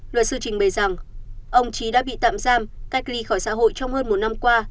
luật sư trình bày rằng ông trí đã bị tạm giam cách ly khỏi xã hội trong hơn một năm qua